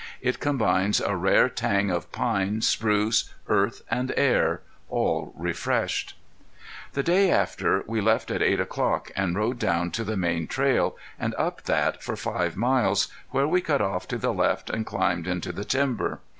It combines a rare tang of pine, spruce, earth and air, all refreshed. The day after, we left at eight o'clock, and rode down to the main trail, and up that for five miles where we cut off to the left and climbed into the timber.